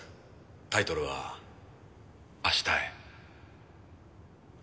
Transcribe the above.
タイトルは『明日へ』。